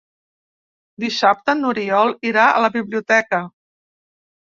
Dissabte n'Oriol irà a la biblioteca.